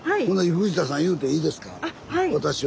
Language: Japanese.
藤田さん言うていいですか？